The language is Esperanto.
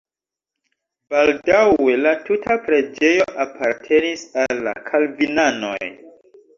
Baldaŭe la tuta preĝejo apartenis al la kalvinanoj.